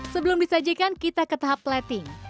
sebelum disajikan kita ke tahap plating